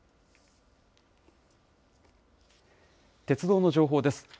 鉄道の情報です。